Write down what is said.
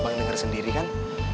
abang denger sendiri kan